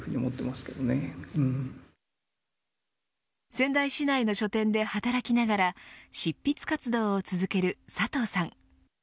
仙台市内の書店で働きながら執筆活動を続ける佐藤さん。